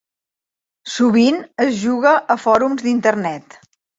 Sovint es juga a fòrums d'Internet.